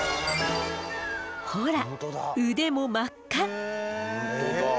ほら腕も真っ赤。